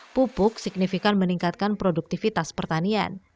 pupuk signifikan meningkatkan produktivitas pertanian